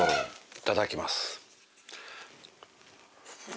いただきます。